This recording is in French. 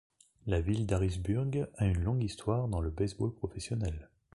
La ville d'Harrisburg a une longue histoire dans le baseball professionnel.